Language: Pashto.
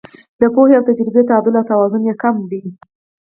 د پوهې او تجربې تعدل او توازن یې کم وي.